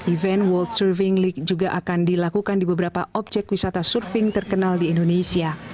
event world surfing league juga akan dilakukan di beberapa objek wisata surfing terkenal di indonesia